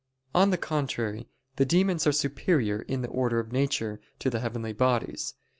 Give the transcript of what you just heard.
On the contrary, The demons are superior in the order of nature, to the heavenly bodies.